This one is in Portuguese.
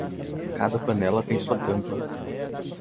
Cada panela tem sua tampa.